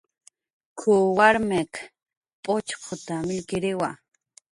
"K""uw warmiq p'uchquta millkiriwa "